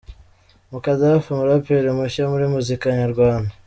Mukadaff umuraperi mushya muri muzika nyarwanda.